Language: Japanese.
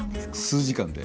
数時間で。